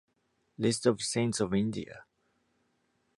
List of saints of India